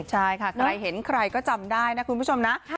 ใช่ค่ะใครเห็นใครก็จำได้นะคุณผู้ชมนะ